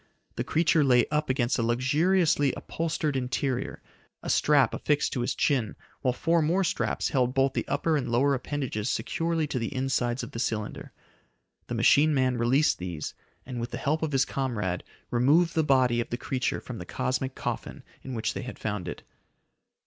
The creature lay up against a luxuriously upholstered interior, a strap affixed to his chin while four more straps held both the upper and lower appendages securely to the insides of the cylinder. The machine man released these, and with the help of his comrade removed the body of the creature from the cosmic coffin in which they had found it.